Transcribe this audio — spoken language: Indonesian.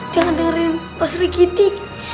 jangan dengerin pak serikiti